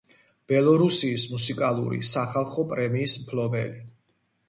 ბელორუსიის მუსიკალური სახალხო პრემიის მფლობელი.